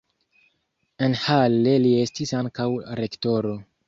En Halle li estis ankaŭ rektoro.